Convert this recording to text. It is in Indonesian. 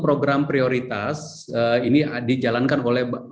program prioritas ini dijalankan oleh